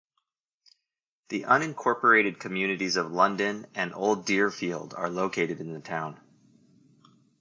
The unincorporated communities of London and Old Deerfield are located in the town.